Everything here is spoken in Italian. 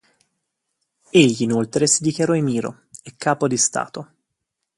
Egli inoltre si dichiarò "Emiro" e capo di Stato.